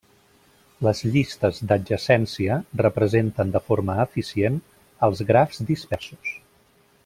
Les llistes d'adjacència representen de forma eficient els grafs dispersos.